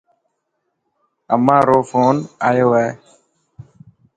امان رو فون آيو هي.